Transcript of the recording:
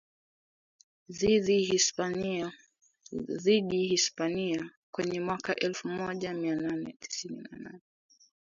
dhidi Hispania kwenye mwaka elfumoja mianane tisini na nane